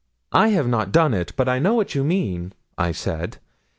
'"I have not done it; but I know what you mean," I said.